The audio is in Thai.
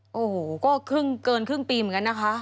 โอ้โหก็ครึ่งเกินครึ่งปีเหมือนกันนะคะ